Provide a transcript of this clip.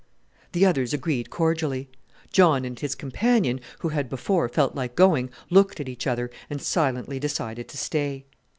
The others agreed cordially. John and his companion, who had before felt like going, looked at each other, and silently decided to stay.